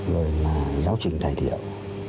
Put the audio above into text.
rồi là giáo trình thầy thiệu